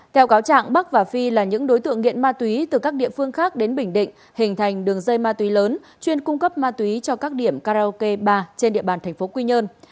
theo cáo trạng bắc và phi là những đối tượng nghiện ma túy từ các địa phương khác đến bình định hình thành đường dây ma túy lớn chuyên cung cấp ma túy cho các điểm karaoke ba trên địa bàn thành phố quy nhơn